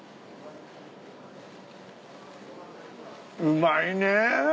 うまいねえ。